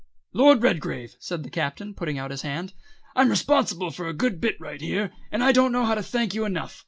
"Lord Redgrave," said the Captain, putting out his hand, "I'm responsible for a good bit right here, and I don't know how to thank you enough.